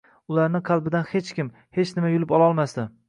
Ularni qalbidan hech kim, hech nima yulib ololmasdi...